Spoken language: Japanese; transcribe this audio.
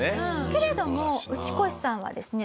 けれどもウチコシさんはですね